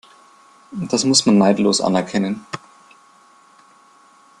Das muss man neidlos anerkennen.